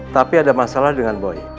tapi ada masalah dengan boi